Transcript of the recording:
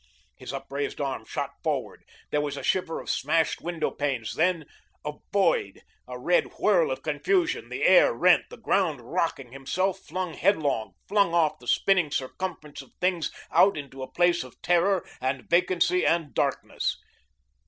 His upraised arm shot forward. There was a shiver of smashed window panes, then a void a red whirl of confusion, the air rent, the ground rocking, himself flung headlong, flung off the spinning circumference of things out into a place of terror and vacancy and darkness.